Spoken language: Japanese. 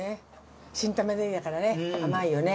新玉ねぎだからね甘いよね。